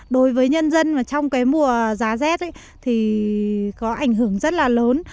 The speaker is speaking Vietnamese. đối với nhân dân mà trong cái mùa giá rét thì có ảnh hưởng rất là lớn